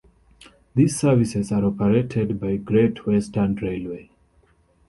These services are operated by Great Western Railway.